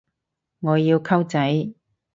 我要溝仔